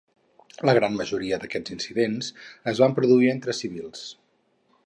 La gran majoria d'aquests incidents es van produir entre civils.